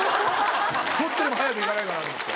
ちょっとでも早く行かないかな？と思って。